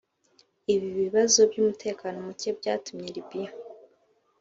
Ibi bibazo by’umutekano muke byatumye Libya